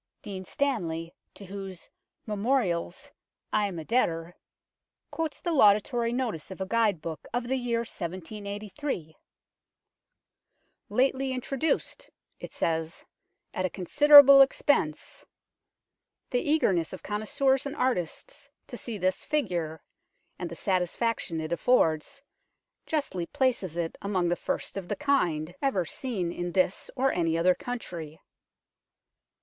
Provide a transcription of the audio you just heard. Dean Stanley, to whose Memorials I am a debtor, quotes the laudatory notice of a guide book of the year 1783. " Lately intro duced (it says) at a considerable expense. The eagerness of connoisseurs and artists to see this figure, and the satisfaction it affords, justly places it among the first of the kind ever seen in this or any other country."